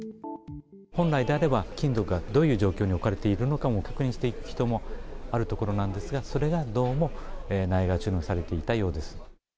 本来であれば、金属がどういう状況に置かれているのかも確認していく必要もあるところなんですが、それがどうもないがしろにされていたようです。